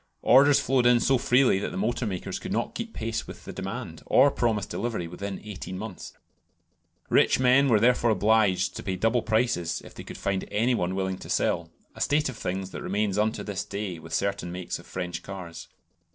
Orders flowed in so freely that the motor makers could not keep pace with the demand, or promise delivery within eighteen months. Rich men were therefore obliged to pay double prices if they could find any one willing to sell a state of things that remains unto this day with certain makes of French cars.